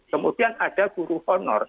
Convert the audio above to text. kemudian ada guru honor